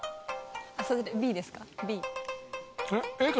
それＢですか？